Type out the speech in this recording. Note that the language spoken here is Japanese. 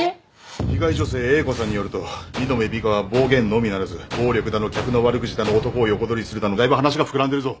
被害女性Ａ子さんによると美濃部ミカは暴言のみならず暴力だの客の悪口だの男を横取りするだのだいぶ話が膨らんでるぞ。